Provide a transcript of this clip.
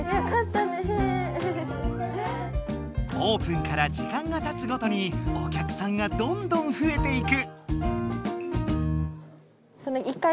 オープンから時間がたつごとにお客さんがどんどんふえていく！